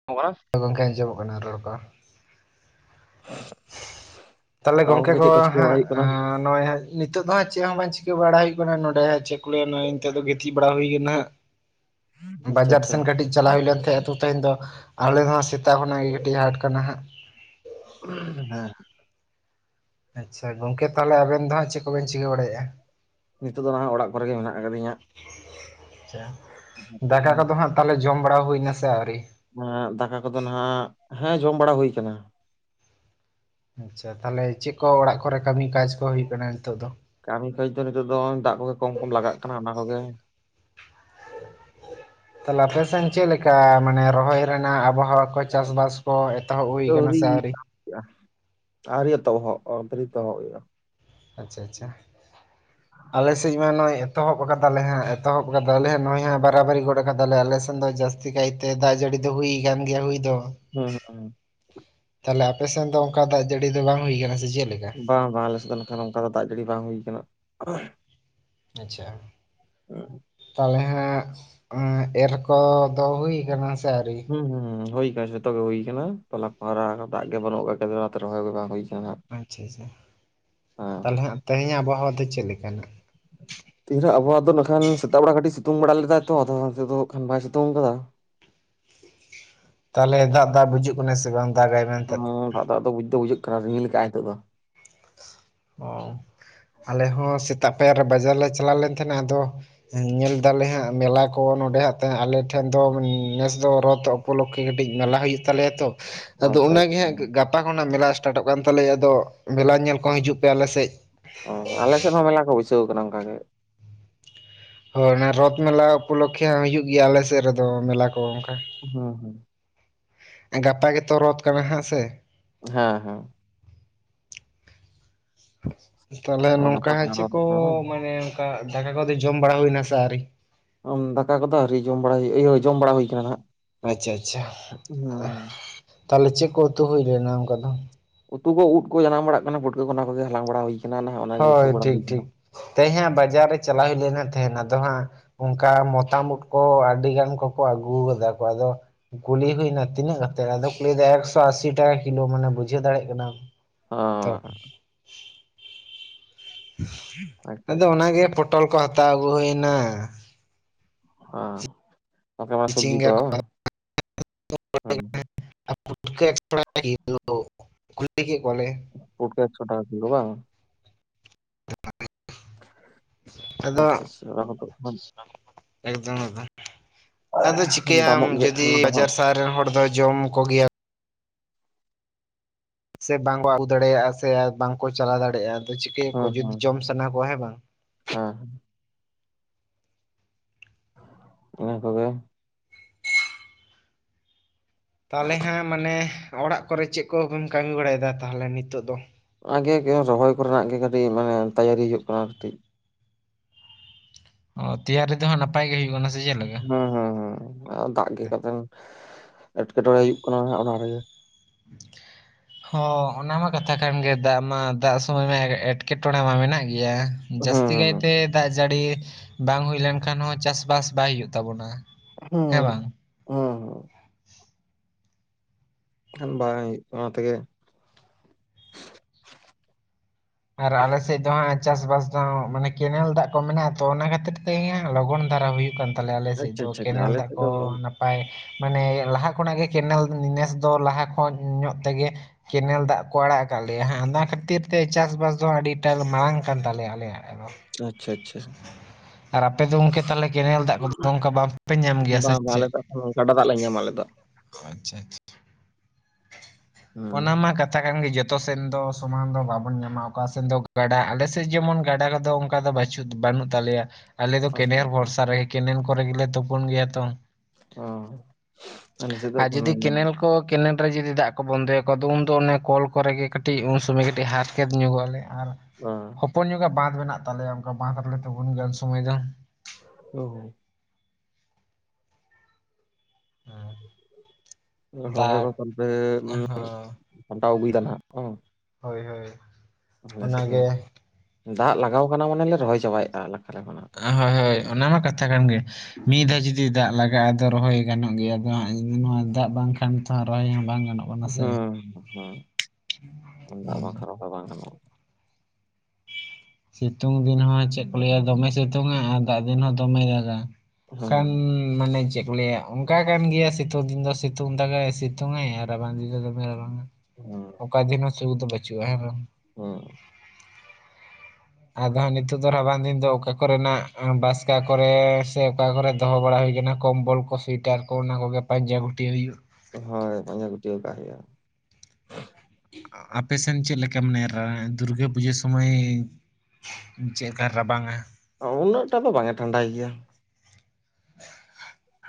[unintelligible] ᱜᱚᱝᱠᱮ ᱟᱸᱡᱚᱢᱚᱜ ᱠᱟᱱᱟ ᱨᱚᱲ ᱠᱚ᱾ ᱛᱟᱦᱚᱞᱮ ᱛᱟᱣ ᱜᱚᱝᱠᱮ ᱠᱚ ᱪᱮᱫ ᱪᱤᱠᱟᱹ ᱦᱟᱸᱜ ᱵᱟᱲᱟᱭ ᱦᱩᱭᱩᱜ ᱠᱟᱱᱟ? ᱮᱸ ᱱᱚᱜᱼᱚᱭ ᱦᱟᱸᱜ ᱱᱤᱛᱚᱜ ᱫᱚ ᱦᱟᱸᱜ ᱪᱮᱜ ᱦᱚᱸ ᱵᱟᱝ ᱪᱤᱠᱟᱹ ᱵᱟᱲᱟ ᱦᱩᱭᱩᱜ ᱠᱟᱱᱟ ᱱᱚᱸᱰᱮ ᱦᱟᱸᱜ ᱪᱮᱜ ᱠᱚ ᱞᱮᱭᱟ ᱱᱚᱭ ᱱᱤᱛᱚᱜ ᱫᱚ ᱜᱤᱛᱤᱡᱼᱼ ᱵᱟᱲᱟ ᱦᱩᱭ ᱠᱟᱱᱟ ᱦᱟᱸᱜ ᱟᱪᱪᱷᱟ ᱵᱟᱡᱟᱨ ᱟᱪᱪᱷᱟ ᱥᱮᱱ ᱠᱟᱹᱴᱤᱡᱼᱼ ᱪᱟᱞᱟᱣ ᱦᱩᱭ ᱞᱮᱱ ᱛᱟᱦᱮᱸᱜ ᱟᱹᱛᱩ ᱛᱮᱦᱮᱸᱧ ᱫᱚ ᱟᱞᱮ ᱦᱚᱸ ᱥᱮᱛᱟᱜ ᱠᱷᱚᱱᱟᱜ ᱜᱮ ᱠᱟᱹᱤᱡ ᱦᱟᱸᱜ ᱟᱴᱠᱟᱱᱟ ᱦᱟᱸᱜ᱾ ᱦᱮᱸᱼᱼ ᱟᱪᱪᱷᱟ ᱜᱚᱝᱠᱮ ᱛᱟᱦᱚᱞᱮ ᱟᱵᱮᱱ ᱫᱚ ᱦᱟᱸᱜ ᱪᱮᱜ ᱠᱚᱵᱮᱱ ᱪᱤᱠᱟᱹ ᱵᱟᱲᱟᱭᱮᱜᱼᱟ? ᱱᱤᱛᱚᱜ ᱫᱚ ᱱᱟᱦᱟᱜ ᱚᱲᱟᱜ ᱠᱚᱨᱮᱜᱮ ᱢᱮᱱᱟᱜ ᱠᱟᱫᱤᱧᱟᱹ ᱪᱟ ᱫᱟᱠᱟ ᱠᱚᱫᱚ ᱦᱟᱸᱜ ᱛᱟᱞᱦᱮ ᱡᱚᱢ ᱵᱟᱲᱟᱣ ᱦᱩᱭᱱᱟ ᱥᱮ ᱟᱹᱣᱨᱤ? ᱮᱸᱜ ᱫᱟᱠᱟ ᱠᱚᱫᱚ ᱱᱟᱸᱜ ᱦᱮᱸ ᱡᱚᱢ ᱵᱟᱲᱟ ᱦᱩᱭ ᱠᱟᱱᱟ᱾ ᱟᱪᱪᱷᱟ ᱛᱟᱦᱚᱞᱮ ᱪᱮᱜ ᱠᱚ ᱚᱲᱟᱜ ᱠᱚᱨᱮ ᱠᱟᱹᱢᱤ ᱠᱟᱡ ᱠᱚ ᱦᱩᱭᱩᱜ ᱠᱟᱱᱟ ᱱᱤᱛᱚᱜ ᱫᱚ? ᱠᱟᱹᱢᱤ ᱠᱟᱹᱡᱽ ᱫᱚ ᱱᱤᱛᱚᱜ ᱫᱚ ᱦᱚᱜᱼᱚᱭ ᱫᱟᱜ ᱠᱚᱜᱮ ᱠᱚᱢ ᱠᱚᱢ ᱞᱟᱜᱟᱜ ᱠᱟᱱᱟ ᱚᱱᱟ ᱠᱚᱜᱮ᱾ ᱛᱟᱦᱚᱞᱮ ᱟᱯᱮ ᱥᱮᱱ ᱪᱮᱜ ᱞᱮᱠᱟ ᱢᱟᱱᱮ ᱨᱚᱦᱚᱭ ᱨᱮᱱᱟᱜ ᱟᱵᱚᱦᱟᱣᱟ? ᱠᱚ ᱪᱟᱥ ᱵᱟᱥ ᱠᱚ ᱮᱛᱚᱦᱚᱵ ᱦᱩᱭ ᱠᱟᱱᱟ ᱥᱮ ᱟᱹᱣᱨᱤ? [unintelligible] ᱟᱹᱣᱨᱤ ᱮᱛᱚᱦᱚᱵ ᱦᱩᱭᱩᱜᱼᱟ ᱟᱪᱪᱷᱟ ᱟᱪᱪᱷᱟ ᱟᱞᱮ ᱥᱮᱡ ᱢᱟ ᱱᱚᱜᱼᱚᱭ ᱮᱛᱚᱦᱚᱵ ᱠᱟᱫᱟᱞᱮ ᱦᱟᱸᱜ ᱮᱛᱚᱦᱚᱵ ᱠᱟᱫᱟᱞᱮ ᱦᱟᱸᱜ ᱱᱚᱭ ᱦᱟᱸᱜ ᱵᱟᱨᱟᱵᱟᱨᱤ ᱜᱚᱫ ᱠᱟᱫᱟᱞᱮ ᱟᱞᱮᱥᱮᱱ ᱫᱚ ᱡᱟᱹᱥ ᱛᱤ ᱠᱟᱭ ᱛᱮ ᱫᱟᱜ ᱡᱟᱹᱲᱤ ᱫᱚ ᱦᱩᱭ ᱠᱟᱱᱜᱮᱭᱟ ᱦᱩᱭ ᱫᱚ᱾ ᱦᱩᱸ ᱦᱩᱸ᱾ ᱛᱟᱦᱚᱞᱮ ᱟᱯᱮᱥᱮᱱ ᱫᱚ ᱚᱝᱠᱟ ᱫᱟᱜ ᱡᱟᱹᱲᱤ ᱫᱚ ᱵᱟᱝ ᱦᱩᱭ ᱟᱠᱟᱱᱟ ᱥᱮ ᱪᱮᱫ ᱞᱮᱠᱟ᱾ ᱵᱟᱝ ᱵᱟᱝ ᱟᱞᱮ ᱥᱮᱫ ᱫᱚ ᱞᱮᱠᱷᱟᱱ ᱚᱱᱠᱟ ᱫᱚ ᱫᱟᱜ ᱡᱟᱹᱲᱤ ᱵᱟᱝ ᱦᱩᱭ ᱟᱠᱟᱱᱟ᱾ ᱟᱪᱪᱷᱟ᱾ ᱦᱩᱸ᱾ ᱛᱟᱦᱞᱮ ᱦᱟᱜ ᱮᱨ ᱠᱚᱫᱚ ᱦᱩᱭ ᱟᱠᱟᱱᱟ ᱥᱮ ᱟᱹᱣᱨᱤ? ᱦᱩᱸ ᱦᱩᱸ ᱦᱩᱭ ᱠᱟᱱᱟ ᱡᱷᱛᱚ ᱜᱮ ᱦᱩᱭ ᱠᱟᱱᱟ ᱛᱚᱞᱟ ᱯᱚᱨᱮ ᱟᱨᱦᱚ ᱫᱟᱜ ᱜᱮ ᱵᱟᱹᱱᱩᱜ ᱟᱠᱟᱫᱟ ᱚᱱᱟᱛᱮ ᱨᱚᱦᱚᱭ ᱜᱮ ᱵᱟᱝ ᱦᱩᱭ ᱟᱠᱟᱱᱟ ᱦᱟᱸᱜ ᱟᱪᱪᱷᱟ ᱟᱪᱪᱷᱟ ᱦᱮᱸ ᱛᱟᱦᱚᱞᱮ ᱦᱟᱸᱜ ᱛᱮᱦᱮᱧᱟᱜ ᱟᱵᱚᱦᱟᱣᱟ ᱫᱚ ᱪᱮᱫ ᱞᱮᱠᱟᱱᱟᱜ? [inaudible] ᱛᱤᱦᱤᱧ ᱟᱵᱚᱣᱟᱜ ᱫᱚ ᱠᱷᱟᱱ ᱥᱮᱛᱟᱜ ᱵᱮᱲᱟ ᱠᱟᱹᱴᱤᱡ ᱥᱤᱛᱩᱝ ᱵᱮᱲᱟ ᱞᱮᱫᱟ ᱛᱚ ᱟᱫᱚᱛᱮ ᱫᱚ ᱠᱷᱟᱱ ᱵᱟᱭ ᱥᱤᱛᱩᱝ ᱟᱠᱟᱫᱟ᱾ ᱛᱟᱦᱚᱞᱮ ᱫᱟᱜ ᱫᱟᱜ ᱵᱩᱡᱷᱟᱹᱜ ᱠᱟᱱᱟ ᱥᱮ ᱵᱟᱝ? ᱫᱟᱜᱟᱭ ᱢᱮᱱᱛᱮ ᱦᱩᱸ ᱫᱟᱜ ᱫᱟᱜ ᱫᱚ ᱵᱩᱡ ᱫᱚ ᱵᱩᱡᱟᱹᱜ ᱠᱟᱱᱟ ᱨᱤᱢᱤᱞ ᱞᱮᱠᱟ ᱱᱤᱛᱚᱜ ᱫᱚ᱾ ᱚᱸ ᱟᱞᱮ ᱦᱚᱸ ᱥᱮᱛᱟᱜ ᱯᱟᱭᱟᱨ ᱨᱮ ᱵᱟᱡᱟᱨ ᱞᱮ ᱪᱟᱞᱟᱣ ᱞᱮᱱ ᱛᱟᱦᱮᱱᱟ ᱟᱫᱚ ᱧᱮᱞ ᱫᱟᱞᱮ ᱦᱟᱸᱜ ᱢᱮᱞᱟ ᱠᱚ ᱱᱚᱸᱰᱮ ᱟᱞᱮ ᱴᱷᱮᱱ ᱫᱚ ᱱᱮᱥ ᱫᱚ ᱨᱚᱛ ᱩᱯᱚᱞᱚᱠᱠᱷᱮ ᱠᱟᱹᱴᱤᱡ ᱢᱮᱞᱟ ᱦᱩᱭᱩᱜ ᱛᱟᱞᱮᱭᱟ ᱛᱚ ᱟᱫᱚ ᱟᱪᱪᱷᱟ ᱚᱱᱟᱜᱮ ᱦᱟᱸᱜ ᱜᱟᱯᱟ ᱠᱷᱚᱱᱟᱜ ᱢᱮᱞᱟ ᱮᱥᱴᱟᱴᱚᱜ ᱠᱟᱱ ᱛᱟᱞᱮᱭᱟ ᱟᱫᱚ ᱢᱮᱞᱟ ᱧᱮᱞ ᱠᱚ ᱦᱤᱡᱩᱜ ᱯᱮ ᱟᱞᱮᱥᱮᱫ᱾ ᱚᱸ ᱟᱞᱮᱥᱮᱫ ᱦᱚᱸ ᱢᱮᱞᱟ ᱠᱚ ᱵᱟᱭᱥᱟᱹᱣ ᱠᱟᱱᱟ ᱚᱱᱠᱟ ᱜᱮ᱾ ᱦᱳᱭ ᱚᱱᱟ ᱨᱚᱛ ᱢᱮᱞᱟ ᱩᱯᱚᱞᱚᱠᱠᱷᱮ ᱦᱚᱸ ᱦᱚᱭᱳᱜ ᱜᱮᱭᱟ ᱟᱞᱮᱥᱮᱫ ᱨᱮᱫᱚ ᱢᱮᱞᱟ ᱠᱚ ᱚᱱᱠᱟ᱾ ᱦᱩᱸ ᱦᱩᱸ᱾ ᱜᱟᱯᱟ ᱜᱮᱛᱚ ᱨᱚᱛ ᱠᱟᱱᱟ ᱦᱟᱸᱜ ᱥᱮ᱾ ᱦᱮᱸ ᱦᱮᱸ᱾ ᱛᱟᱦᱚᱞᱮ ᱱᱚᱝᱠᱟ ᱜᱟᱯᱟ ᱠᱟᱱᱟ ᱪᱮᱫ ᱠᱚ ᱨᱚᱛᱷ ᱵᱟᱝ ᱢᱟᱱᱮ ᱚᱱᱠᱟ ᱫᱟᱠᱟ ᱠᱚᱫᱚ ᱡᱚᱢ ᱵᱟᱲᱟ ᱦᱩᱭᱱᱟ ᱥᱮ ᱟᱨᱠᱤ? ᱟ ᱫᱟᱠᱟ ᱠᱚᱫᱚ ᱟᱣᱨᱤ ᱡᱚᱢ ᱵᱟᱲᱟ, ᱤᱭᱟᱹ ᱡᱚᱢ ᱵᱟᱲᱟ ᱦᱩᱭ ᱟᱠᱟᱱᱟ ᱦᱟᱸᱜ᱾ ᱟᱪᱪᱷᱟ ᱟᱪᱪᱷᱟ᱾ ᱦᱩᱸ᱾ ᱛᱟᱦᱚᱞᱮ ᱪᱮᱫ ᱠᱚ ᱩᱛᱩ ᱦᱩᱭ ᱞᱮᱱᱟ ᱚᱱᱠᱟ ᱫᱚ᱾ ᱩᱛᱩ ᱠᱚ ᱩᱫ ᱠᱚ ᱡᱟᱱᱟᱢ ᱵᱟᱲᱟᱜ ᱠᱟᱱᱟ ᱯᱩᱴᱠᱟᱹ ᱠᱚ ᱚᱱᱟ ᱠᱚᱜᱮ ᱦᱟᱞᱟᱝ ᱵᱟᱲᱟ ᱦᱩᱭ ᱟᱠᱟᱱᱟ ᱱᱟᱦᱟᱜ ᱚᱱᱟ ᱜᱮ ᱩᱛᱩ ᱦᱳᱭ ᱵᱟᱲᱟ ᱴᱷᱤᱠ ᱦᱩᱭ ᱠᱟᱱᱟ᱾ ᱴᱷᱤᱠ ᱛᱮᱦᱮᱧ ᱦᱟᱸᱜ ᱵᱟᱡᱟᱨ ᱨᱮ ᱪᱟᱞᱟᱣ ᱦᱩᱭ ᱞᱮᱱᱟ ᱛᱮᱦᱮᱱ ᱟᱫᱚ ᱦᱟᱸᱜ ᱚᱱᱠᱟ ᱢᱚᱛᱟᱢ ᱩᱫ ᱠᱚ ᱟᱹᱰᱤ ᱜᱟᱱ ᱠᱚᱠᱚ ᱟᱹᱜᱩ ᱠᱟᱫᱟ ᱠᱚ ᱟᱫᱚ ᱠᱩᱞᱤ ᱦᱩᱭᱱᱟ ᱛᱤᱱᱟᱹᱜ ᱠᱟᱛᱮᱫ ᱟᱫᱚ ᱠᱚ ᱞᱟᱹᱭᱟ ᱮᱠᱥᱚ ᱟᱥᱤ ᱴᱟᱠᱟ ᱠᱤᱞᱳ ᱢᱟᱱᱮ ᱵᱩᱡᱷᱟᱹᱣ ᱫᱟᱲᱮᱭᱟᱜ ᱠᱟᱱᱟᱢ᱾ ᱚᱸ ᱛᱚ ᱟᱪᱪᱷᱟ ᱟᱪᱪᱷᱟ ᱟᱫᱚ ᱚᱱᱟᱜᱮ ᱯᱚᱴᱚᱞ ᱠᱚ ᱦᱟᱛᱟᱣ ᱟᱹᱜᱩ ᱦᱩᱭᱱᱟ᱾ [inaudible] ᱢᱟ ᱥᱚᱵᱡᱤ ᱠᱚ ᱦᱮᱸ᱾ [inaudible] ᱠᱩᱞᱤ ᱠᱮᱜ ᱠᱚᱣᱟᱞᱮ ᱯᱩᱴᱠᱟᱹ ᱮᱠᱥᱚ ᱴᱟᱠᱟ ᱠᱤᱞᱳ ᱵᱟᱝ᱾ [unintelligible] ᱟᱫᱚ ᱟᱪᱪᱷᱟ ᱟᱪᱪᱷᱟ [unintelligible] ᱮᱠᱫᱚᱢ ᱮᱠᱫᱚᱢ᱾ ᱟᱫᱚ ᱪᱤᱠᱟᱹᱭᱟᱢ ᱫᱟᱢᱚᱜ ᱜᱮᱭᱟ ᱠᱷᱟᱱ ᱡᱩᱫᱤ ᱫᱚ ᱵᱟᱡᱟᱨ ᱥᱟᱦᱟᱨ ᱨᱮᱱ ᱦᱚᱲ ᱫᱚ ᱡᱚᱢ ᱠᱚᱜᱮᱭᱟ᱾ ᱥᱮ ᱵᱟᱝᱠᱚ ᱟᱹᱜᱩ ᱫᱟᱲᱮᱭᱟᱜᱼᱟ ᱥᱮ ᱵᱟᱝᱠᱚ ᱪᱟᱞᱟᱣ ᱫᱟᱲᱮᱭᱟᱜᱼᱟ ᱟᱫᱚ ᱪᱤᱠᱟᱹᱭᱟᱠᱚ ᱦᱮᱸ ᱡᱩᱫᱤ ᱦᱮᱸ ᱡᱚᱢ ᱥᱟᱱᱟ ᱠᱚᱣᱟ ᱦᱮᱸ ᱵᱟᱝ᱾ ᱦᱮᱸ᱾ ᱤᱱᱟ ᱠᱚᱜᱮ ᱾ ᱛᱟᱞᱦᱮ ᱦᱟᱸᱜ ᱢᱟᱱᱮ ᱚᱲᱟᱜ ᱠᱚᱨᱮ ᱪᱮᱜ ᱠᱚ ᱠᱚᱢ ᱠᱟᱹᱢᱤ ᱵᱟᱲᱟᱭᱫᱟ ᱛᱟᱞᱦᱮ ᱱᱤᱛᱚᱜ ᱫᱚ? ᱚᱱᱟᱜᱮ ᱨᱚᱦᱚᱭ ᱠᱚᱨᱮᱱᱟᱜ ᱜᱮ ᱠᱟᱹᱴᱤᱡ ᱢᱟᱱᱮ ᱛᱮᱭᱟᱨᱤ ᱦᱩᱭᱩᱜ ᱠᱟᱱᱟ ᱠᱟᱹᱴᱤᱡ ᱾ ᱚᱸ ᱛᱤᱭᱟᱨᱤ ᱫᱚ ᱱᱟᱯᱟᱭ ᱜᱮ ᱦᱩᱭᱩᱜ [unintelligible] ᱦᱩᱸ ᱦᱩᱸ ᱦᱩᱸ ᱫᱟᱜ ᱜᱮ ᱠᱟᱛᱮᱱ ᱮᱴᱠᱮᱴᱚᱲᱮ ᱦᱩᱭᱩᱜ ᱠᱟᱱᱟ ᱦᱟᱸᱜ ᱚᱱᱟ ᱨᱮᱜᱮ ᱾ [inaudible] ᱦᱚᱸ ᱚᱱᱟ ᱢᱟ ᱠᱟᱛᱷᱟ ᱠᱟᱱ ᱜᱮ ᱫᱟᱜ ᱢᱟ ᱫᱟᱜ ᱥᱚᱢᱚᱭ ᱢᱟ ᱮᱴᱠᱮᱴᱚᱬᱮ ᱢᱟ ᱢᱮᱱᱟᱜ ᱜᱮᱭᱟ ᱾ ᱦᱮᱸ ᱡᱟᱹᱥᱛᱤ ᱦᱮᱸ ᱦᱮᱸ ᱠᱟᱭᱛᱮ ᱫᱟᱜ ᱡᱟᱹᱲᱤ ᱵᱟᱝ ᱦᱩᱭ ᱞᱮᱱᱠᱷᱟᱱ ᱦᱚᱸ ᱪᱟᱥᱵᱟᱥ ᱵᱟᱭ ᱦᱩᱭᱩᱜ ᱛᱟᱵᱚᱱᱟ ᱾ ᱦᱩᱸ [inaudible] ᱵᱟᱝ ᱦᱩᱭᱩᱜ ᱚᱱᱟ ᱛᱮᱜᱮ ᱟᱨ ᱟᱞᱮᱥᱮᱫ ᱫᱚ ᱦᱟᱜ ᱪᱟᱥᱵᱟᱥ ᱫᱚ ᱢᱟᱱᱮ ᱠᱮᱱᱮᱞ ᱫᱟᱜ ᱠᱚ ᱢᱮᱱᱟᱜᱼᱟ ᱛᱚ ᱚᱱᱟ ᱠᱷᱟᱹᱛᱤᱨ [unintelligible] ᱞᱚᱜᱚᱱ ᱫᱷᱟᱨᱟ ᱦᱩᱭᱩᱜ ᱠᱟᱱ ᱾ ᱛᱟᱞᱮ ᱟᱞᱮ ᱥᱮᱫ ᱟᱪᱪᱷᱟ ᱫᱚ ᱟᱪᱪᱷᱟ ᱟᱪᱪᱷᱟ ᱠᱮᱱᱮᱞ ᱟᱞᱮ ᱫᱟᱜ ᱥᱮᱫ ᱠᱚ ᱫᱚ ᱱᱟᱯ ᱯᱟᱭ ᱢᱟᱱᱮ ᱞᱟᱦᱟ ᱠᱷᱚᱱᱟᱜ ᱜᱮ ᱠᱮᱱᱮᱞ ᱱᱮᱥ ᱫᱚ ᱞᱟᱦᱟ ᱠᱷᱚᱱ ᱧᱚᱜ ᱛᱮᱜᱮ ᱾ ᱠᱮᱱᱮᱞ ᱫᱟᱜ ᱠᱚ ᱟᱲᱟᱜ ᱟᱠᱟᱜ ᱞᱮᱭᱟ ᱚᱱᱟ ᱠᱷᱟᱹᱛᱤᱨ ᱛᱮ ᱾ ᱪᱟᱥᱵᱟᱥ ᱫᱚ ᱟᱹᱰᱤ ᱴᱟᱜ ᱢᱟᱲᱟᱝ ᱠᱟᱱ ᱛᱟᱞᱮᱭᱟ ᱟᱞᱮ ᱟᱲᱮ ᱫᱚ ᱾ ᱟᱪᱪᱷᱟ ᱟᱪᱪᱷᱟ ᱾ ᱟᱨ ᱟᱯᱮ ᱫᱚ ᱚᱝᱠᱮ ᱛᱟᱞᱮ ᱠᱮᱱᱮᱞ ᱫᱟᱜ ᱠᱚ ᱚᱱᱠᱟ ᱵᱟᱯᱮ ᱧᱟᱢ ᱜᱮᱭᱟ ᱥᱮ ᱵᱟᱝ ᱵᱟᱝ ᱟᱞᱮ ᱪᱮᱜ? ᱫᱚ ᱮᱠᱷᱚᱱ ᱜᱟᱰᱟ ᱫᱟᱜ ᱞᱮ ᱧᱟᱢᱟ ᱟᱞᱮ ᱫᱚ ᱾ ᱟᱪᱪᱷᱟ ᱟᱪᱪᱷᱟ ᱦᱮᱸ ᱚᱱᱟ ᱢᱟ ᱠᱟᱛ ᱛᱷᱟ ᱠᱟᱱ ᱜᱮ ᱡᱚᱛᱚ ᱥᱮᱱ ᱫᱚ ᱥᱚᱢᱟᱱ ᱫᱚ ᱵᱟᱵ ᱵᱚᱱ ᱧᱟᱢᱟ ᱚᱠᱟ ᱥᱮᱫ ᱫᱚ ᱜᱟᱰᱟ ᱟᱞᱮ ᱥᱮᱜ ᱡᱮᱢᱚᱱ ᱜᱟᱰᱟ ᱠᱚᱫᱚ ᱚᱱᱠᱟ ᱫᱚ ᱵᱟᱪᱩᱜ ᱵᱟᱹᱱᱩᱜ ᱛᱟᱞᱮᱭᱟ᱾ ᱟᱞᱮ ᱫᱚ ᱟᱪᱪᱷᱟ ᱠᱮᱱᱮᱨ ᱟᱪᱪᱷᱟ ᱵᱷᱚᱨᱥᱟ ᱨᱮ ᱠᱮᱱᱮᱞ ᱠᱚᱨᱮ ᱜᱮᱞᱮ ᱛᱳᱯᱳᱱ ᱜᱮᱭᱟ ᱛᱚ ᱾ ᱚ ᱟᱞᱮ ᱥᱮᱫ ᱫᱚ ᱟᱨ ᱡᱩᱫᱤ ᱠᱮᱱᱮᱞ [unintelligible] ᱠᱚ ᱠᱮᱱᱮᱞ ᱨᱮ ᱡᱩᱫᱤ ᱫᱟᱜ ᱠᱚ ᱵᱚᱱᱫᱚᱭᱟᱠᱚ ᱟᱫᱚ ᱩᱱᱫᱚ ᱚᱱᱮ ᱠᱚᱞ ᱠᱚᱨᱮ ᱜᱮ ᱠᱟᱹᱴᱤᱡ ᱩᱱ ᱥᱩᱢᱚᱭ ᱠᱟᱹᱴᱤᱡ ᱦᱟᱨ ᱾ ᱜᱮᱫ ᱧᱚᱜᱚᱜᱼᱟᱞᱮ ᱟᱨ ᱾ ᱚ ᱯᱚᱱ ᱧᱚᱜᱟᱜ ᱵᱟᱸᱫᱷ ᱢᱮᱱᱟᱜ ᱛᱟᱞᱮᱭᱟ ᱚᱱᱠᱟ ᱵᱟᱸᱫᱷ ᱨᱮᱞᱮ ᱛᱳᱵᱳᱱ ᱜᱮᱭᱟ ᱩᱱ ᱥᱚᱢᱚᱭ ᱫᱚ ᱾ [inaudible] ᱦᱮᱸ ᱨᱚᱦᱚᱭ ᱠᱚ ᱫᱟᱜ ᱦᱚᱸ [unintelligible] ᱥᱟᱢᱴᱟᱣ ᱟᱹᱜᱩᱭ ᱫᱟ ᱱᱟᱦᱟᱜ ᱾ ᱦᱳᱭ ᱦᱳᱭ, ᱟᱞᱮ ᱥᱮᱫ ᱜᱮ ᱚᱱᱟᱜᱮ ᱫᱟᱜ ᱞᱟᱜᱟᱣ ᱠᱟᱱᱟ ᱢᱟᱱᱮᱞᱮ ᱨᱚᱦᱚᱭ ᱪᱟᱵᱟᱭᱮᱫᱼᱟ ᱾ ᱦᱳᱭ ᱦᱳᱭ ᱚᱱᱟᱢᱟ ᱠᱟᱛᱷᱟ ᱠᱟᱱ ᱜᱮᱭᱟ ᱢᱤ ᱫᱷᱟᱣ ᱡᱩᱫᱤ ᱫᱤ ᱫᱟᱜ ᱞᱟᱜᱟᱜᱼᱟ ᱟᱫᱚ ᱨᱚᱦᱚᱭ ᱜᱟᱱᱚᱜ ᱜᱮᱭᱟ ᱟᱫᱚ ᱦᱟᱜ ᱤᱧ ᱱᱚᱣᱟ ᱫᱟᱜ ᱵᱟᱝᱠᱷᱟᱱ ᱛᱚᱦᱚᱸ ᱨᱚᱦᱚᱭ ᱦᱚᱸ ᱵᱟᱝ ᱜᱟᱱᱚᱜ ᱜᱮ [inaudible] ᱫᱟᱜ ᱵᱟᱝᱠᱷᱟᱨ ᱨᱚᱦᱚᱭ ᱵᱟᱝ ᱜᱟᱱᱚᱜ ᱾ ᱥᱤᱛᱩᱝ ᱫᱤᱱ ᱦᱚᱸ ᱪᱮᱜ ᱠᱚ ᱞᱟᱹᱭᱟ ᱫᱚᱢᱮ ᱥᱤᱛᱩᱝᱟ ᱟᱨ ᱫᱟᱜ ᱫᱤᱱ ᱦᱚᱸ ᱫᱚᱢᱮ ᱫᱟᱜᱟ, ᱦᱩᱸ ᱠᱷᱟᱱ ᱢᱟᱱᱮ ᱪᱮᱜ ᱠᱚ ᱞᱟᱹᱭᱟ ᱚᱱᱠᱟ ᱠᱟᱱ ᱜᱮᱭᱟ ᱥᱤᱛᱩᱝ ᱫᱤᱱ ᱫᱚ ᱥᱤᱫ ᱛᱩᱝ ᱫᱟᱨᱮ ᱥᱤᱛᱩᱝ ᱟᱭ ᱟᱨ ᱨᱟᱵᱟᱝ ᱫᱤᱱ ᱫᱚ ᱫᱚᱢᱮ ᱨᱟᱵᱟᱝᱟ ᱦᱩᱸ ᱚᱠᱟ ᱫᱤᱱ ᱦᱚᱸ ᱥᱩ ᱫᱚ ᱵᱟᱹᱪᱩᱜᱼᱟ ᱦᱮᱸ ᱵᱟᱝ ᱾ ᱦᱩᱸ ᱟᱫᱚ ᱦᱟᱜ ᱱᱤᱛᱚᱜ ᱫᱚ ᱨᱟᱵᱟᱝ ᱫᱤᱱ ᱫᱚ ᱚᱠᱟ ᱠᱚᱨᱮᱱᱟᱜ ᱵᱟᱥᱠᱟ ᱠᱚᱨᱮ ᱥᱮ ᱚᱠᱟ ᱠᱚᱨᱮ ᱾ ᱫᱚᱦᱚ ᱵᱟᱲᱟ ᱦᱩᱭ ᱠᱟᱱᱟ ᱠᱚᱢᱵᱚᱞ ᱠᱚ ᱥᱩᱭᱮᱴᱟᱨ ᱠᱚ ᱚᱱᱟ ᱠᱚᱜᱮ ᱯᱟᱸᱡᱟ ᱜᱷᱩᱴᱤ ᱦᱩᱭᱩᱜ ᱾ ᱦᱚᱭ ᱯᱟᱸᱡᱟ ᱜᱚᱴᱤᱭᱟᱹᱣ ᱠᱟᱜ ᱦᱚᱭᱟ ᱾ ᱟᱯᱮ ᱥᱮᱱ ᱪᱮᱜ ᱞᱮᱠᱟᱢ ᱢᱟᱱᱮ ᱨᱟᱹᱭ ᱫᱩᱨᱜᱟᱹ ᱯᱩᱡᱟᱹ ᱥᱚᱢᱚᱭ ᱪᱮᱫᱠᱟ ᱨᱟᱵᱟᱝᱟ ᱾ ᱩᱱᱟᱹᱜ ᱴᱟ ᱫᱚ ᱵᱟᱝᱟ ᱴᱷᱟᱱᱰᱟᱭ ᱜᱮᱭᱟ ᱾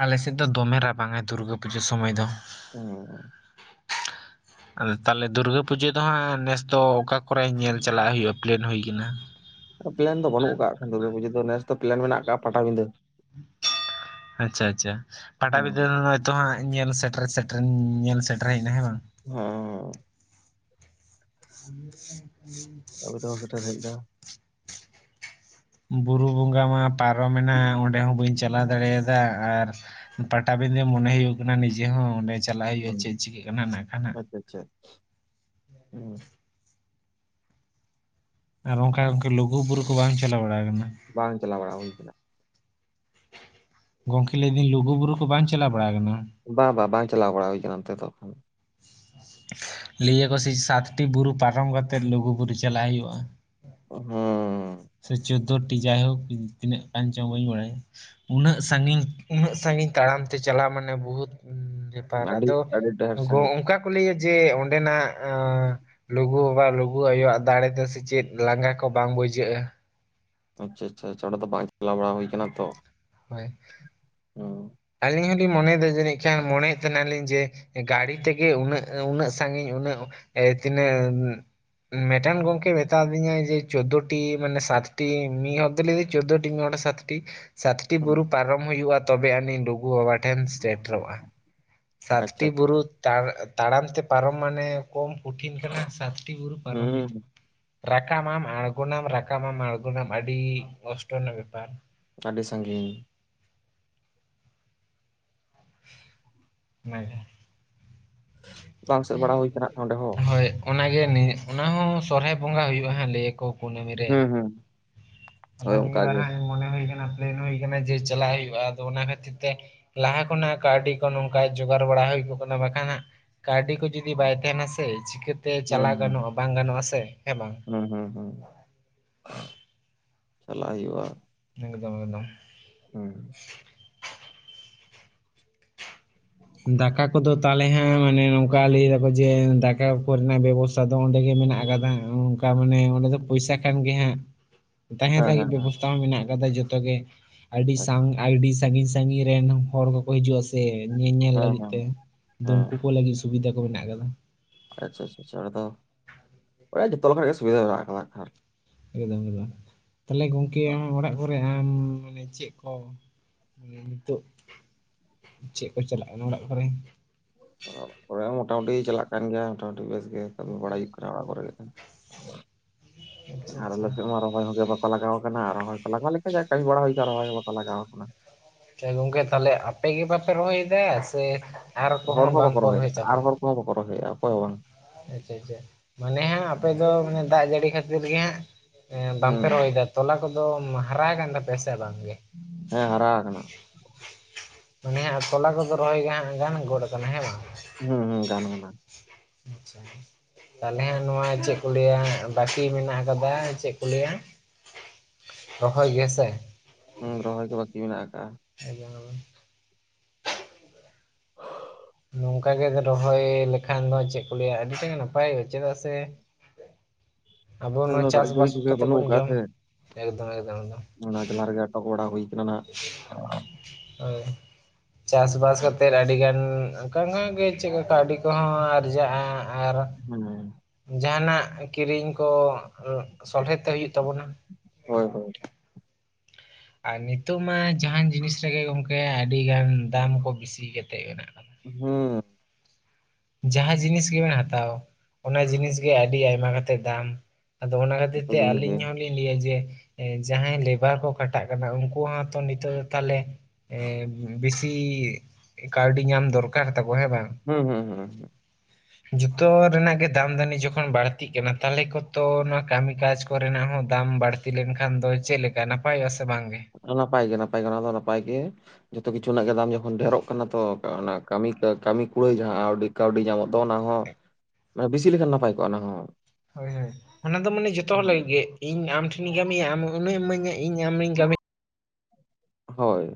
ᱟᱞᱮ ᱥᱮᱫ ᱫᱚ ᱫᱚᱢᱮ ᱨᱟᱵᱟᱝᱟᱭ ᱫᱩᱨᱜᱟᱹ ᱯᱩᱡᱟᱹ ᱥᱚᱢᱚᱭ ᱫᱚ᱾ ᱚ ᱟᱫᱚ ᱛᱟᱦᱚᱞᱮ ᱫᱩᱨᱜᱟᱹ ᱯᱩᱡᱟᱹ ᱫᱚ ᱦᱟᱸᱜ ᱱᱮᱥ ᱫᱚ ᱚᱠᱟ ᱠᱚᱨᱮ ᱧᱮᱞ ᱪᱟᱞᱟᱜ ᱦᱩᱭᱩᱜᱼᱟ ᱯᱞᱮᱱ ᱦᱩᱭ ᱠᱟᱱᱟ? ᱯᱞᱮᱱ ᱫᱚ ᱵᱟᱹᱱᱩᱜ ᱟᱠᱟᱫ ᱠᱷᱟᱱ ᱫᱩᱨᱵᱤ ᱯᱩᱡᱟᱹ ᱫᱚ ᱱᱮᱥ ᱫᱚ ᱯᱞᱮᱱ ᱢᱮᱱᱟᱜ ᱟᱠᱟᱫ ᱯᱟᱴᱟ ᱵᱤᱸᱫᱟᱹ᱾ ᱟᱪᱪᱷᱟ ᱟᱪᱪᱷᱟ ᱯᱟᱴᱟ ᱦᱩᱸ ᱵᱤᱫᱷᱹᱼᱼ ᱛᱚ ᱦᱟᱸᱜ ᱧᱮᱞ ᱥᱮᱴᱮᱨ ᱥᱮᱴᱮᱨ ᱧᱮᱞ ᱥᱮᱴᱮᱨᱱᱟ ᱦᱮᱸ ᱵᱟᱝ? ᱦᱸᱻ ᱟ [unintelligible] [unintelligible] ᱫᱟ ᱵᱩᱨᱩ ᱵᱚᱸᱜᱟ ᱢᱟ ᱯᱟᱨᱚᱢᱮᱱᱟ ᱚᱸᱰᱮ ᱦᱚᱸ ᱵᱟᱹᱧ ᱪᱟᱞᱟᱣ ᱫᱟᱲᱮ ᱭᱟᱫᱟ ᱟᱨᱼᱼ ᱯᱟᱴᱟᱵᱤᱸᱫᱮ ᱢᱚᱱᱮ ᱦᱩᱭᱩᱜ ᱠᱟᱱᱟ ᱱᱤᱡᱮ ᱦᱚᱸ ᱚᱸᱰᱮ ᱪᱟᱞᱟᱜ ᱦᱩᱭᱩᱜᱼᱟ ᱦᱩᱸ ᱪᱮᱫ ᱪᱤᱠᱟᱹᱜ ᱠᱟᱱᱟ ᱠᱷᱱᱟᱜ᱾ ᱟᱪᱪᱷᱟ, ᱦᱮᱸ ᱟᱨ ᱚᱱᱠᱟ ᱞᱩᱜᱩᱵᱩᱨᱩ ᱠᱚ ᱵᱟᱝ ᱪᱟᱞᱟᱣ ᱵᱟᱲᱟ ᱟᱠᱟᱱᱟ? ᱵᱟᱝ ᱪᱟᱞᱟᱣ ᱵᱟᱲᱟᱜᱼᱟ ᱦᱩᱭ ᱟᱠᱟᱱᱟ᱾ ᱜᱚᱝᱠᱮ ᱞᱟᱹᱭᱫᱤᱧ ᱞᱩᱜᱩ ᱵᱩᱨᱩ ᱠᱚ ᱵᱟᱝ ᱪᱟᱞᱟ ᱵᱟᱲᱟ ᱟᱠᱟᱱᱟᱢ? ᱵᱟ ᱵᱟ ᱵᱟ ᱪᱟᱞᱟᱣ ᱵᱟᱲᱟ ᱦᱩᱭ ᱟᱠᱟᱱᱟ ᱚᱱᱛᱮ ᱫᱚ᱾ ᱞᱟᱹᱭᱟᱠᱚ ᱥᱤ ᱥᱟᱛᱴᱤ ᱵᱩᱨᱩ ᱯᱟᱨᱚᱢ ᱠᱟᱛᱮᱫ ᱞᱩᱜᱩᱼᱵᱩᱨᱩ ᱪᱟᱞᱟᱜ ᱦᱩᱭᱩᱜᱼᱟ? ᱦᱩᱸᱻ ᱥᱮ ᱪᱳᱫᱽᱫᱳ ᱴᱤ ᱡᱟᱭᱦᱳᱠ ᱛᱤᱱᱟᱹᱜ ᱜᱟᱱ ᱪᱚ ᱵᱟᱹᱧ ᱵᱟᱲᱟᱭᱟ᱾ ᱩᱱᱟᱹᱜ ᱥᱟᱹᱜᱤᱧ ᱩᱱᱟᱹᱜ ᱥᱟᱹᱜᱤᱧ ᱛᱟᱲᱟᱢ ᱛᱮ ᱪᱟᱞᱟᱜ ᱢᱟᱱᱮ ᱵᱩᱦᱩᱛ ᱯᱟᱨ ᱟᱹᱰᱤ ᱟᱫᱚ ᱟᱹᱰᱤ ᱰᱷᱮᱨ ᱥᱟᱺᱜᱤᱧ ᱚᱝᱠᱟ ᱠᱚ ᱞᱟᱹᱭᱟ ᱡᱮ ᱚᱸᱰᱮᱱᱟᱜ ᱞᱩᱜᱩ ᱵᱟᱵᱟ ᱞᱩᱜᱩ ᱟᱭᱳ ᱣᱟᱜ ᱫᱟᱲᱮ ᱛᱮ ᱥᱮ ᱪᱮᱫ ᱞᱟᱸᱜᱟ ᱠᱚ ᱵᱟᱝ ᱵᱩᱡᱷᱟᱹᱜᱼᱟ᱾ ᱟᱪᱪᱷᱟ ᱟᱪᱪᱷᱟ ᱟᱪᱪᱷᱟ ᱚᱸᱰᱮ ᱫᱚ ᱵᱟᱝ ᱪᱟᱞᱟᱣ ᱵᱟᱲᱟ ᱦᱩᱭ ᱠᱟᱱᱟ ᱛᱚ᱾ ᱦᱳᱭ᱾ ᱦᱩᱢ ᱟᱹᱞᱤᱧ ᱦᱚᱞᱤᱧ ᱢᱚᱱᱮᱭᱮᱫᱟ ᱡᱟᱹᱱᱤᱡ ᱠᱷᱟᱱ ᱢᱚᱱᱮᱭᱮᱫ ᱛᱟᱦᱮᱱᱟ ᱞᱤᱧ ᱡᱮ ᱜᱟᱲᱤ ᱛᱮᱜᱮ ᱩᱱᱟᱹᱜ ᱩᱱᱟᱹᱜ ᱥᱟᱹᱜᱤᱧ ᱩᱱᱟᱹᱜ ᱛᱤᱱᱟᱹᱜ ᱢᱮᱴᱮᱱ ᱜᱚᱝᱠᱮ ᱢᱮᱛᱟ ᱟᱫᱤᱧᱟᱭ ᱡᱮ ᱪᱳᱫᱽᱫᱳ ᱴᱤ ᱢᱟᱱᱮ ᱥᱟᱛᱴᱤ ᱢᱤᱫ ᱦᱚᱲ ᱫᱚᱭ ᱞᱟᱹᱭᱫᱟ ᱪᱳᱫᱳᱚᱴᱤ ᱢᱤᱫ ᱦᱚᱲ ᱥᱟᱛ ᱴᱤ ᱥᱟᱛ ᱴᱤ ᱦᱩᱸ ᱵᱩᱨᱩ ᱯᱟᱨᱚᱢ ᱦᱩᱭᱩᱜᱼᱟ ᱛᱚᱵᱮ ᱟᱹᱱᱤᱡ ᱞᱩᱜᱩ ᱵᱟᱵᱟ ᱴᱷᱮᱱ ᱥᱮᱴᱮᱨᱚᱜᱼᱟ᱾ ᱥᱟᱛ ᱟᱪᱪᱷᱟ ᱴᱤ ᱟᱪᱪᱷᱟ ᱵᱩᱨᱩ ᱛᱟᱲ ᱛᱟᱲᱟᱢ ᱛᱮ ᱯᱟᱨᱚᱢ ᱢᱟᱱᱮ ᱠᱚᱢ ᱠᱩᱴᱷᱤᱱ ᱠᱟᱱᱟ ᱥᱟᱛᱴᱤ ᱵᱩᱨᱩ ᱯᱟᱨᱚᱢ ᱦᱩᱭᱩᱜᱼᱼ ᱦᱩᱸ ᱨᱟᱠᱟᱵ ᱟᱢ ᱟᱬᱜᱳᱱᱟᱢ ᱨᱟᱠᱟᱵ ᱟᱢ ᱟᱬᱜᱳᱱᱟᱢ ᱟᱹᱰᱤ ᱠᱚᱥᱴᱚ ᱨᱮᱱᱟᱜ ᱵᱮᱯᱟᱨ᱾ ᱟᱹᱰᱤ ᱥᱟᱸᱜᱤᱧ᱾ ᱚᱱᱟᱜᱮ᱾ ᱵᱟᱝ ᱥᱮᱫ ᱵᱟᱲᱟ ᱦᱩᱭ ᱠᱟᱱᱟ ᱱᱚᱸᱰᱮ ᱦᱚᱸ᱾ ᱦᱳᱭ ᱚᱱᱟᱜᱮ ᱱᱮ ᱚᱱᱟ ᱦᱚᱸ ᱥᱚᱨᱦᱟᱭ ᱵᱚᱸᱜᱟ ᱦᱩᱭᱩᱜᱼᱟ ᱦᱮᱸ ᱞᱟᱹᱭ ᱟᱠᱚ ᱠᱩᱱᱟᱹᱢᱤ ᱨᱮ ᱾ ᱦᱩᱸ ᱦᱩᱸ ᱟᱫᱚ ᱦᱳᱭ ᱚᱱᱠᱟ ᱱᱤᱭᱟᱹ ᱵᱟᱨ ᱜᱮ ᱦᱚᱸ ᱦᱟᱸᱜ ᱢᱚᱱᱮ ᱦᱩᱭ ᱠᱟᱱᱟ ᱯᱞᱮᱱ ᱦᱩᱭ ᱠᱟᱱᱟ ᱡᱮᱸ ᱪᱟᱞᱟᱜ ᱦᱩᱭᱩᱜᱼᱟ ᱟᱫᱚ ᱚᱱᱟ ᱠᱷᱟᱹᱛᱤᱨ ᱛᱮ ᱞᱟᱦᱟ ᱠᱷᱚ ᱱᱟᱜ ᱠᱟᱹᱣᱰᱤ ᱠᱚ ᱱᱚᱝᱠᱟ ᱡᱩᱜᱟᱲ ᱵᱟᱲᱟ ᱦᱩᱭ ᱠᱚᱜ ᱠᱟᱱᱟ ᱵᱟᱠᱷᱟᱱ ᱦᱟᱸᱜ ᱠᱟᱹᱣᱰᱤ ᱠᱚ ᱡᱩᱫᱤ ᱵᱟᱭ ᱛᱟᱦᱮᱱᱟ ᱥᱮ ᱪᱤᱠᱟᱹᱛᱮ ᱪᱟᱞᱟ ᱦᱩᱸ ᱦᱩᱸ ᱜᱟᱱᱚᱜᱼᱟ ᱵᱟᱝ ᱜᱟᱱᱚᱜ ᱟᱥᱮ ᱦᱮᱸ ᱵᱟᱝ? ᱦᱩᱸ ᱦᱩᱸ ᱦᱩᱸ ᱪᱟᱞᱟᱜ ᱦᱩᱭᱩᱜᱼᱟ᱾ ᱮᱠᱫᱚᱢ ᱮᱠᱫᱚᱢ ᱦᱩᱸ᱾ ᱫᱟᱠᱟ ᱠᱚᱫᱚ ᱛᱟᱞᱦᱮ ᱦᱟᱸᱜ ᱢᱟᱱᱮ ᱱᱚᱝᱠᱟ ᱞᱟᱹᱭ ᱫᱟᱠᱚ ᱡᱮ ᱫᱟᱠᱟ ᱠᱚᱨᱮᱱᱟᱜ ᱵᱮᱵᱚᱥ ᱛᱟ ᱫᱚ ᱚᱸᱰᱮ ᱜᱮ ᱢᱮᱱᱟᱜ ᱟᱠᱟᱫᱟ ᱚᱱᱠᱟ ᱢᱟᱱᱮ ᱚᱸᱰᱮ ᱫᱚ ᱯᱚᱭᱥᱟ ᱠᱷᱟᱱ ᱜᱮ ᱦᱟᱸᱜ [inaudible] ᱛᱟᱦᱮᱸ ᱞᱟᱹᱜᱤᱫ ᱦᱮᱸ ᱵᱮᱵᱚᱥᱛᱟ ᱦᱚᱸ ᱢᱮᱱᱟᱜ ᱟᱠᱟᱫᱟ ᱡᱚᱛᱚ ᱜᱮ ᱟᱹᱰᱤ ᱦᱮᱸ ᱥᱟᱝ ᱟᱹᱰᱤ ᱥᱟᱺᱜᱤᱧ ᱥᱟᱺᱜᱤᱧ ᱨᱮᱱ ᱦᱚᱲ ᱠᱚᱠᱚ ᱦᱤᱡᱩᱜᱼᱟ ᱥᱮ ᱧᱮᱧᱮᱞ ᱦᱮᱸ ᱞᱟᱹᱜᱤᱫ ᱦᱮᱸ ᱛᱮ ᱛᱚ ᱩᱝᱠᱩ ᱠᱚ ᱞᱟᱹᱜᱤᱫ᱾ ᱥᱩᱵᱤᱫᱟ ᱠᱚ ᱢᱮᱱᱟᱜ ᱟᱠᱟᱫᱟ ᱾ ᱟᱪᱪᱷᱟ ᱟᱪᱪᱷᱟ ᱪᱷᱟ ᱚᱱᱟᱫᱚ ᱚᱱᱟ ᱡᱚᱛᱚ ᱞᱮᱠᱟᱱᱟᱜ ᱜᱮ ᱥᱩᱵᱤᱫᱷᱟ ᱢᱮᱱᱟᱜ ᱟᱠᱟᱫᱟ ᱦᱟᱸᱜ ᱠᱷᱟᱱ᱾ ᱮᱠᱫᱚᱢ ᱮᱫᱚᱢ ᱛᱟᱞᱦᱮ ᱜᱚᱝᱠᱮ ᱟᱢᱟᱜ ᱚᱲᱟᱜ ᱠᱚ ᱨᱮ ᱟᱢ ᱢᱟᱱᱮ ᱪᱮᱜ ᱠᱚ ᱱᱤᱛᱚᱜ ᱪᱮᱜ ᱠᱚ ᱪᱟᱞᱟᱜ ᱠᱟᱱᱟ ᱚᱲᱟᱜ ᱠᱚᱨᱮ? ᱚᱲᱟᱜ ᱠᱚᱨᱮ ᱦᱚᱸ ᱢᱚᱴᱟᱢᱩᱴᱤ ᱪᱟᱞᱟᱜ ᱠᱟᱱ ᱜᱮᱭᱟ ᱢᱚᱴᱟᱢᱩᱴᱤ ᱵᱮᱥ ᱜᱮ ᱾ ᱠᱟᱹᱢᱤ ᱵᱟᱲᱟᱭ ᱦᱩᱭᱩᱜ ᱠᱟᱱᱟ ᱚᱲᱟᱜ ᱠᱚᱨᱮ ᱜᱮ ᱦᱟᱸᱜ ᱠᱷᱟᱱ ᱟᱪᱪᱷᱟ ᱟᱨ ᱟᱪᱪᱷᱟ ᱟᱞᱮ ᱥᱮᱫ ᱢᱟ ᱨᱚᱦᱚᱭ ᱦᱚᱸᱜᱮ ᱵᱟᱠᱚ ᱠᱚ ᱞᱟᱜᱟᱣ ᱠᱟᱱᱟ ᱟᱨ ᱨᱚᱦᱚᱭ ᱠᱚ ᱞᱟᱜᱟᱣ ᱞᱮᱠᱟ ᱡᱟ ᱠᱟᱹᱢᱤ ᱵᱟᱲᱟ ᱦᱩᱭ ᱠᱟᱜ ᱨᱚᱦᱚᱭ ᱜᱮ ᱵᱟᱠᱚ ᱞᱟᱜᱟᱣ ᱠᱟᱱᱟ ᱾ ᱥᱮ ᱜᱚᱝᱠᱮ ᱛᱟᱞᱦᱮ ᱟᱯᱮ ᱜᱮ ᱵᱟᱯᱮ ᱨᱚᱦᱚᱭᱮᱫᱟ ᱥᱮ ᱟᱨ ᱠᱚᱦᱚᱸ ᱵᱟᱠᱚ ᱵᱟᱝᱠᱚ ᱨᱚᱦᱚᱭᱮᱫᱟ ᱨᱚᱦᱚᱭ ᱟᱨ ᱪᱟᱵᱟ? ᱦᱚᱲ ᱚᱠᱚ ᱦᱚᱸ ᱵᱟᱠᱚ ᱨᱚᱦᱚᱭ ᱮᱸᱜ ᱟ ᱚᱠᱚᱭ ᱦᱚᱸ ᱵᱟᱝ ᱾ ᱟᱪᱪᱷᱟ ᱟᱪᱪᱷᱟ ᱢᱟᱱᱮ ᱦᱟᱸᱜ ᱟᱯᱮ ᱫᱚ ᱢᱟᱱᱮ ᱫᱟᱜ ᱡᱟᱹᱲᱤ ᱠᱷᱟᱹᱛᱤᱨ ᱜᱮ ᱦᱟᱸᱜ ᱮ ᱵᱟᱝᱯᱮ ᱦᱩᱸ ᱨᱚᱦᱚᱭ ᱫᱟ? ᱛᱚᱞᱟ ᱠᱚᱫᱚᱢ ᱦᱟᱨᱟ ᱠᱟᱱ ᱛᱟᱯᱮᱭᱟ ᱥᱮ ᱵᱟᱝ ᱜᱮ? ᱦᱮᱸ ᱦᱟᱨᱟ ᱟᱠᱟᱱᱟ ᱚᱱᱮ ᱦᱟᱜ ᱛᱚᱞᱟ ᱠᱚᱫᱚ ᱨᱚᱦᱚᱭ ᱜᱟ ᱜᱟᱱ ᱜᱚᱫ ᱟᱠᱟᱱᱟ ᱦᱮᱸ ᱵᱟᱝ? ᱦᱩᱸ ᱦᱩᱸ ᱜᱟᱱ ᱟᱠᱟᱱᱟ ᱾ ᱟᱪᱪᱷᱟ ᱪᱷᱟ ᱛᱟᱞᱦᱮ ᱦᱟᱸᱜ ᱱᱚᱣᱟ ᱪᱮᱜ ᱠᱚ ᱞᱟᱹᱭᱟ ᱵᱟᱹᱠᱤ ᱢᱮᱱᱟᱜ ᱟᱠᱟᱫᱟ ᱪᱮᱜ ᱠᱚ ᱞᱟᱹᱭᱟ ᱨᱚᱦᱚᱭ ᱜᱮ ᱥᱮ? ᱦᱩᱸ ᱨᱚᱦᱚᱭ ᱜᱮ ᱵᱟᱠᱤ ᱢᱮᱱᱟᱜ ᱟᱠᱟᱜᱼᱟ᱾ [unintelligible] [unintelligible] ᱱᱚᱝᱠᱟ ᱜᱮ ᱨᱚᱦᱚᱭ ᱞᱮᱠᱷᱟᱱ ᱫᱚ ᱪᱮᱫ ᱠᱚ ᱞᱟᱹᱭᱟ ᱟᱹᱰᱤ ᱛᱮᱫ ᱱᱟᱯᱟᱭᱚᱜᱼᱟ ᱪᱮᱫᱟᱜ ᱥᱮ ᱟᱵᱚ ᱱᱤᱛᱚᱜ ᱱᱚᱣᱟ ᱫᱚ ᱫᱟᱜ ᱡᱟ. ᱲᱤ ᱪᱟᱥᱵᱟᱥ ᱠᱚᱜᱮ ᱠᱟᱛᱮ ᱵᱟᱱᱩᱜ ᱵᱚᱱ ᱟᱠᱟᱜ-ᱟ ᱡᱚᱢ ᱥᱮ, ᱮᱠᱫᱚᱢ ᱮᱠᱫᱚᱢ ᱮᱠᱫᱚᱢ ᱾ ᱚᱱᱟ ᱡᱮᱞᱟ ᱨᱮᱜᱮ ᱟᱴᱚᱠ ᱵᱟᱲᱟ ᱦᱩᱭ ᱠᱟᱱᱟ ᱱᱟᱜ, ᱦᱳᱭ ᱪᱟᱥᱵᱟᱥ ᱠᱟᱛᱮ ᱟᱹᱰᱤ ᱜᱟᱱ ᱚᱱᱠᱟ ᱠᱟ ᱜᱮ ᱪᱮᱫᱠᱟ ᱟᱹᱰᱤ ᱠᱚᱦᱚᱸ ᱟᱨᱡᱟᱜᱼᱟ ᱟᱨ ᱦᱮᱸ, ᱡᱟᱦᱟᱱᱟᱜ ᱠᱤᱨᱤᱧ ᱠᱚ ᱥᱚᱞᱦᱮ ᱛᱮ ᱦᱩᱭᱩᱜ ᱛᱟᱵᱚᱱᱟ᱾ ᱦᱳᱭ ᱦᱳᱭ, ᱟᱨ ᱱᱤᱛᱚᱜ ᱢᱟ ᱡᱟᱦᱟᱱ ᱡᱤᱱᱤᱥ ᱨᱮᱜᱮ ᱜᱚᱝᱠᱮ ᱟᱹᱰᱤ ᱜᱟᱱ ᱫᱟᱢ ᱠᱚ ᱵᱤᱥᱤ ᱠᱟᱛᱮᱜ ᱛᱟᱦᱮᱸᱱᱟ᱾ ᱦᱩ, ᱡᱟᱦᱟᱸ ᱡᱤᱱᱤᱥ ᱜᱮᱵᱮᱱ ᱦᱟᱛᱟᱣ ᱚᱱᱟ ᱡᱤᱱᱤᱥ ᱜᱮ ᱟᱹᱰᱤ ᱟᱭᱢᱟ ᱠᱟᱛᱮ ᱫᱟᱢ, ᱟᱫᱚ ᱚᱱᱟ ᱠᱷᱟᱹᱛᱤᱨ ᱡᱚᱛᱚ ᱛᱮ ᱡᱤᱱᱤᱥ ᱜᱮ ᱟᱹᱞᱤᱧ ᱦᱚ ᱞᱤᱧ ᱞᱟᱹᱭᱟ ᱡᱮ ᱡᱟᱦᱟᱸᱭ ᱞᱮᱵᱟᱨ ᱠᱚ ᱠᱷᱟᱴᱟᱜ ᱠᱟᱱᱟ ᱩᱱᱠᱩ ᱦᱚᱸᱛᱚ ᱱᱤᱛᱚᱜ ᱫᱚ ᱛᱟᱦᱚᱞᱮ ᱮ ᱵᱮᱥᱤ ᱠᱟᱹᱣᱰᱤ ᱧᱟᱢ ᱫᱚᱨᱠᱟᱨ ᱛᱟᱠᱚ ᱦᱮᱸ ᱵᱟᱝ? ᱦᱩᱸ ᱦᱩᱸ ᱦᱩᱸ ᱦᱩᱸ, ᱡᱚᱛᱚ ᱨᱮᱱᱟᱜ ᱜᱮ ᱫᱟᱢ ᱫᱟᱹᱱᱤ ᱡᱚᱠᱷᱚᱱ ᱵᱟᱹᱲᱛᱤᱜ ᱠᱟᱱᱟ ᱛᱟᱦᱚᱞᱮ ᱠᱚᱛᱚ ᱱᱚᱣᱟ ᱠᱟᱹᱢᱤ ᱠᱟᱡᱽ ᱠᱚᱨᱮᱱᱟᱜ ᱦᱚᱸ ᱫᱟᱢ ᱵᱟᱹᱲᱛᱤ ᱛᱤ ᱞᱮᱱᱠᱷᱟᱱ ᱫᱚ ᱪᱮᱫ ᱞᱮᱠᱟ ᱱᱟᱯᱟᱭᱚᱜᱼᱟ ᱥᱮ ᱵᱟᱝᱜᱮ? ᱱᱟᱯᱟᱭ ᱜᱮ ᱱᱟᱯᱟᱭ ᱜᱮ ᱚᱱᱟ ᱫᱚ ᱱᱟᱯᱟᱭ ᱜᱮ, ᱡᱚᱛᱚ ᱠᱤᱪᱷᱩ ᱨᱮᱱᱟᱜ ᱜᱮ ᱫᱟᱢ ᱡᱚᱠᱷᱚᱱ ᱰᱷᱮᱨᱚᱜ ᱠᱟᱱᱟ ᱛᱚ ᱠᱟᱹᱢᱤ ᱠᱟᱹᱢᱤ ᱠᱩᱲᱟᱹᱭ ᱡᱟᱦᱟᱸ ᱠᱟᱹᱣᱰᱤ ᱧᱟᱢᱚᱜ ᱫᱚ ᱚᱱᱟ ᱦᱚᱸ ᱢᱟᱱᱮ ᱵᱮᱥᱤ ᱞᱮᱠᱷᱟᱱ ᱱᱟᱯᱟᱭ ᱠᱚᱜᱼᱟ ᱚᱱᱟ ᱦᱚᱸ, ᱦᱳᱭ ᱦᱳᱭ ᱚᱱᱟ ᱫᱚ ᱢᱟᱱᱮ ᱡᱚᱛᱚ ᱦᱚᱲ ᱞᱟᱹᱜᱤᱫ ᱜᱮ ᱤᱧ ᱟᱢ ᱴᱷᱮᱱᱤᱧ ᱠᱟᱹᱢᱤᱭᱟ ᱟᱢ ᱩᱱᱟᱹᱜ ᱮᱢ ᱤᱢᱟᱹᱧᱟ ᱤᱧ ᱟᱹᱢᱮᱧ ᱠᱟᱹᱢ ᱦᱳᱭ᱾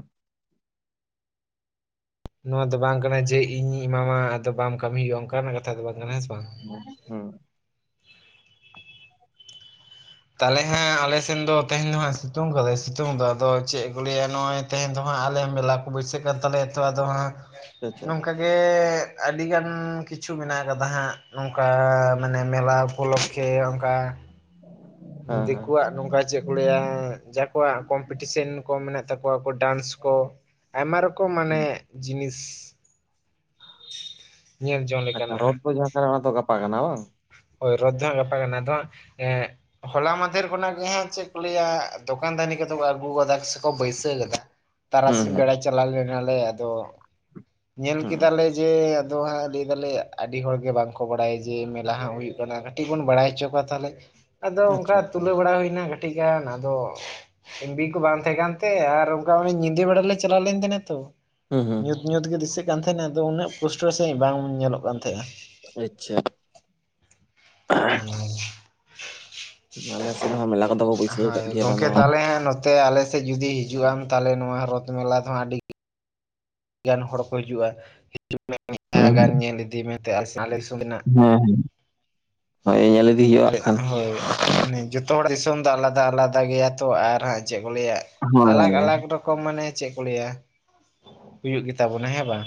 ᱱᱚᱣᱟ ᱫᱚ ᱵᱟᱝ ᱠᱟᱱᱟ ᱡᱮ ᱤᱧᱤᱧ ᱮᱢᱟᱢᱟ ᱟᱫᱚ ᱵᱟᱢ ᱠᱟᱹᱢᱤ ᱦᱩᱭᱩᱜᱼᱟ ᱚᱱᱠᱟᱱᱟᱜ ᱠᱟᱛᱷᱟ ᱫᱚ ᱵᱟᱝ ᱠᱟᱱᱟ, ᱦᱮᱸ ᱥᱮ ᱵᱟᱝ? ᱦᱩᱸ ᱛᱟᱦᱚᱞᱮ ᱦᱟᱸᱜ ᱟᱞᱮᱥᱱ ᱫᱚ ᱛᱮᱦᱮᱧ ᱫᱚ ᱦᱟᱸᱜ ᱥᱤᱛᱩᱝ ᱠᱟᱫᱟᱭ ᱥᱤᱛᱩᱝ ᱫᱚ ᱟᱫᱚ ᱪᱮᱫ ᱠᱚ ᱞᱟᱹᱭᱟ ᱱᱚᱜᱼᱚᱭ ᱛᱮᱦᱮᱧ ᱫᱚ ᱦᱟᱸᱜ ᱟᱞᱮ ᱢᱮᱞᱟ ᱠᱚ ᱵᱟᱹᱭᱥᱟᱹᱜ ᱠᱟᱱ ᱛᱟᱞᱮᱭᱟ ᱛᱚ ᱟᱫᱚ ᱦᱟᱸᱜ ᱟᱪᱪᱷᱟ ᱱᱚᱝᱠᱟ ᱜᱮ ᱟᱹᱰᱤᱜᱟᱱ ᱠᱤᱪᱷᱩ ᱢᱮᱱᱟᱜ ᱟᱠᱟᱫᱟ ᱦᱟᱸᱜ ᱱᱚᱝᱠᱟ ᱢᱟᱱᱮ ᱢᱮᱞᱟ ᱩᱯᱚᱞᱚᱠᱠᱷᱮ ᱚᱱᱠᱟ ᱦᱮᱸ ᱦᱮᱸ ᱫᱤᱠᱩᱣᱟᱜ ᱱᱚᱝᱠᱟ ᱪᱮᱫ ᱠᱞᱟᱹᱭᱟ ᱡᱟᱠᱚᱣᱟᱜ ᱠᱚᱢᱯᱤᱴᱤᱥᱮᱱ ᱠᱚ ᱢᱮᱱᱟᱜ ᱛᱟᱠᱚᱣᱟ ᱠᱚ ᱰᱟᱱᱥ ᱠᱚ᱾ ᱟᱭᱢᱟ ᱨᱚᱠᱚᱢ ᱢᱟᱱᱮ ᱡᱤᱱᱤᱥ ᱧᱮᱞ ᱡᱚᱝ ᱟᱪᱪᱷᱟ ᱞᱮᱠᱟᱱᱟᱜ ᱨᱚᱫ ᱦᱟᱸᱜ ᱫᱚ ᱡᱟᱦᱟᱸ ᱠᱟᱱᱟ ᱚᱱᱟ ᱫᱚ ᱜᱟᱯᱟᱜ ᱠᱟᱱᱟ ᱵᱟᱝ? ᱦᱳᱭ ᱨᱚᱫ ᱫᱚ ᱦᱟᱜ ᱜᱟᱯᱟ ᱠᱟᱱᱟ ᱟᱫᱚ ᱦᱟᱸᱜ ᱮᱸ ᱦᱚᱞᱟ ᱢᱟᱫᱷᱮᱨ ᱠᱷᱚᱱᱟᱜ ᱜᱮ ᱦᱟᱸᱜ ᱪᱮᱫ ᱠᱚ ᱞᱟᱹᱭᱟ ᱫᱚᱠᱟᱱ ᱫᱟᱱᱤ ᱠᱚᱫᱚ ᱠᱚ ᱟᱹᱜᱩ ᱠᱟᱫᱟ, ᱥᱮᱠᱚ ᱵᱟᱹᱭᱥᱟᱹᱣ ᱠᱟᱫᱟ᱾ ᱦᱩᱸ ᱛᱟᱨᱟᱥᱤᱧ ᱦᱩᱸ ᱵᱮᱲᱟ ᱪᱟᱞᱟᱣ ᱞᱮᱱᱟᱞᱮ ᱟᱫᱚ ᱧᱮᱞ ᱠᱮᱫᱟᱞᱮ ᱡᱮ ᱟᱫᱚ ᱦᱟᱸᱜ ᱞᱟᱹᱭ ᱫᱟᱞᱮ ᱟᱹᱰᱤ ᱦᱚᱲ ᱜᱮ ᱵᱟᱝᱠᱚ ᱵᱟᱲᱟᱭᱟ ᱡᱮ ᱢᱮᱞᱟ ᱦᱟᱸᱜ ᱦᱩᱭᱩᱜ ᱠᱟᱱᱟ ᱠᱟᱹᱴᱤᱡ ᱵᱚᱱ ᱵᱟᱲᱟᱭ ᱦᱚᱪᱚ ᱠᱚᱣᱟ ᱛᱟᱦᱚᱞᱮ, ᱟᱫᱚ ᱚᱱᱠᱟ ᱟᱪᱪᱷᱟ ᱟᱪᱪᱷᱟ ᱛᱩᱞᱟᱹᱣ ᱵᱟᱲᱟ ᱦᱩᱭᱱᱟ᱾ ᱴᱤᱡᱽ ᱜᱟᱱ ᱟᱫᱚ ᱮᱢ ᱵᱤ ᱠᱚ ᱵᱟᱝ ᱛᱟᱦᱮᱸ ᱠᱟᱱᱛᱮ, ᱟᱨ ᱚᱱᱠᱟ ᱚᱱᱮ ᱧᱤᱫᱟᱹ ᱵᱮᱲᱟ ᱞᱮ ᱪᱟᱞᱟᱣ ᱞᱮᱱ ᱛᱟᱦᱮᱸᱱᱟ ᱛᱚ᱾ ᱦᱩᱸ ᱦᱩᱸ ᱧᱩᱛ ᱧᱩᱛ ᱜᱮ ᱫᱤᱥᱟᱹᱜ ᱠᱟᱱ ᱛᱟᱦᱮᱱᱟ ᱟᱫᱚ ᱩᱱᱟᱹᱜ ᱯᱩᱥᱴᱟᱹ ᱥᱟᱦᱤᱡ ᱵᱟᱝ ᱧᱮᱞᱚᱜ ᱠᱟᱱ ᱛᱟᱸᱦᱮᱜᱼᱟ᱾ ᱟᱪᱪᱷᱟ ᱚᱱᱟ ᱟᱞᱮ ᱥᱮᱫ ᱦᱚᱸ ᱢᱮᱞᱟ ᱠᱚᱫᱚ ᱠᱚ ᱵᱟᱹᱭᱥᱟᱹᱣ ᱟᱠᱟᱫ ᱜᱮᱭᱟ ᱵᱟᱝ ᱫᱚ ᱵᱟᱝ᱾ ᱛᱮ ᱟᱞᱮᱥᱮᱫ ᱡᱩᱫᱤ ᱦᱤᱡᱩᱜᱼᱟᱢ ᱛᱟᱦᱚᱞᱮ ᱱᱚᱣᱟ ᱨᱚᱛ ᱢᱮᱞᱟ ᱫᱚᱦᱟᱸᱜ ᱟᱹᱰᱤ ᱟᱹᱰᱤ ᱜᱟᱱ ᱦᱚᱲ ᱠᱚ ᱦᱤᱡᱩᱜᱼᱟ, ᱦᱤᱡᱩᱜ ᱢᱮ ᱢᱤᱫ ᱫᱷᱟᱣ ᱵᱟᱝ ᱜᱟᱱ ᱧᱮᱞ ᱤᱫᱤ ᱢᱮ ᱟᱞᱮ ᱫᱤᱥᱚᱢ ᱨᱮᱱᱟᱜ᱾ ᱦᱮᱸ ᱦᱮᱸ ᱟᱞᱮ ᱦᱳᱭ᱾ ᱢᱟᱱᱮ ᱡᱚᱛᱚ ᱦᱚᱲ ᱫᱤᱥᱚᱢ ᱫᱚ ᱟᱞᱟᱫᱟ ᱟᱞᱟᱫᱟ ᱜᱮᱭᱟ ᱛᱚ ᱟᱨ ᱦᱟᱸᱜ ᱪᱮᱫ ᱠᱚ ᱞᱟᱹᱭᱟ ᱟᱞᱟᱜᱽ ᱟᱞᱟᱜᱽ ᱨᱚᱠᱚᱢ ᱚ ᱢᱟᱱᱮ ᱪᱮᱫ ᱠᱚ ᱞᱟᱹᱭᱟ, ᱦᱩᱭᱩᱜ ᱜᱮᱛᱟ ᱵᱚᱱᱟ ᱦᱮᱸ ᱵᱟᱝ᱾